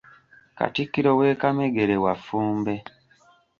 Katikkiro we Kamegere wa Ffumbe.